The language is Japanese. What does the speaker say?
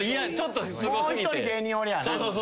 もう１人芸人おりゃあな。